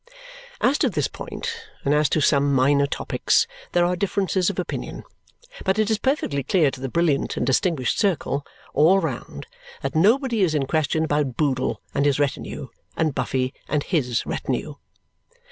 As to this point, and as to some minor topics, there are differences of opinion; but it is perfectly clear to the brilliant and distinguished circle, all round, that nobody is in question but Boodle and his retinue, and Buffy and HIS retinue.